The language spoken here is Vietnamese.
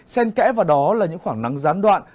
sen kẽ vào đó là những khoảng nắng gián đoạn